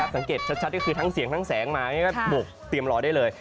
สังเกตชัดก็คือทั้งเสียงทั้งแสงมาก็บวกเตรียมรอได้เลย